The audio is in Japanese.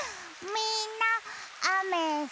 みんなあめすき？